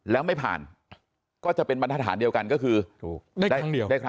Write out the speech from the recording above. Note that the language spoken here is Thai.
แล้วไม่ผ่านก็จะเป็นบรรทฐานเดียวกันก็คือถูกได้ครั้งเดียวได้ครั้ง